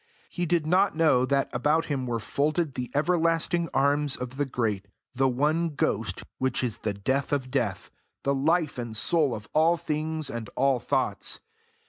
He did not know that about him were folded the everlasting arms of the great, the one Ghost, which is the Death of death the life and soul of all things and all thoughts.